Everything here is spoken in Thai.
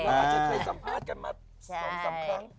อาจจะเคยสัมภาษณ์กันมา๒๓ครั้ง